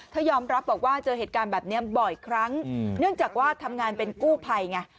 ยอมรับบอกว่าเจอเหตุการณ์แบบนี้บ่อยครั้งเนื่องจากว่าทำงานเป็นกู้ภัยไง